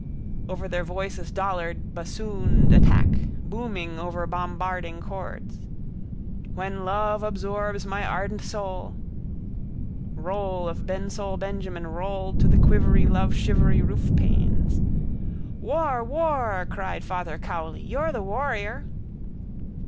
Over their voices Dollard bassooned attack, booming over bombarding chords: —When love absorbs my ardent soul... Roll of Bensoulbenjamin rolled to the quivery loveshivery roofpanes. —War! War! cried Father Cowley. You're the warrior.